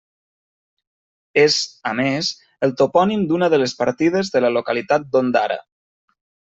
És, a més, el topònim d'una de les partides de la localitat d'Ondara.